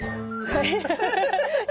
はい！